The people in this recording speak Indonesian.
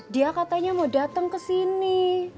dia katanya mau dateng kesini